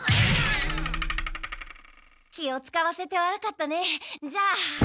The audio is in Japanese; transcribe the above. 気をつかわせて悪かったね。じゃあ。